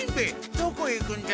どこへ行くんじゃ？